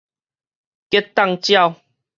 激凍鳥